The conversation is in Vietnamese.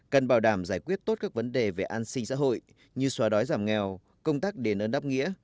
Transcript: cần bảo đảm giải quyết tốt các vấn đề về an sinh xã hội như xóa đói giảm nghèo công tác đền ơn đáp nghĩa